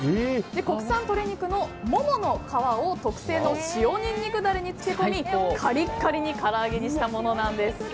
国産鶏肉のモモの皮を特製の塩ニンニクダレに漬け込みカリッカリにからあげにしたものなんです。